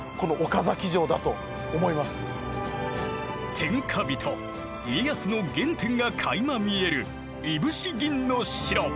天下人家康の原点がかいま見えるいぶし銀の城。